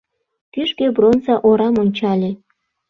Кӱжгӧ бронза орам ончале.